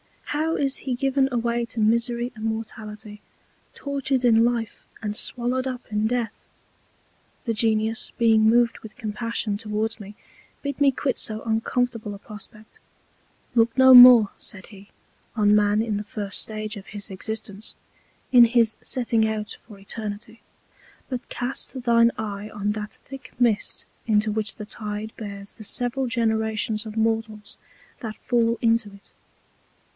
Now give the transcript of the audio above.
How is he given away to Misery and Mortality! tortured in Life, and swallowed up in Death! The Genius being moved with Compassion towards me, bid me quit so uncomfortable a Prospect: Look no more, said he, on Man in the first Stage of his Existence, in his setting out for Eternity; but cast thine Eye on that thick Mist into which the Tide bears the several Generations of Mortals that fall into it.